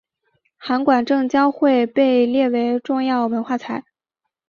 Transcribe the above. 函馆正教会被列为重要文化财。